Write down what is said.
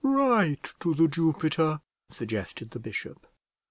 "Write to The Jupiter," suggested the bishop.